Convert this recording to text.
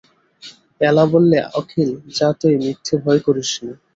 এলা বললে, অখিল, যা তুই মিথ্যে ভয় করিস নে।